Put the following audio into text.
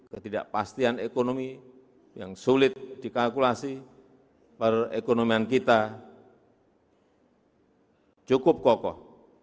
ketidakpastian ekonomi yang sulit dikalkulasi perekonomian kita cukup kokoh